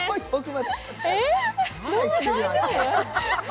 大丈夫？